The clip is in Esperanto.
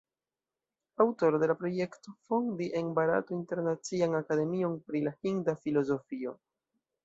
Aŭtoro de la projekto fondi en Barato Internacian Akademion pri la Hinda Filozofio.